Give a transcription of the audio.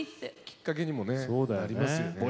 きっかけにもねなりますよね。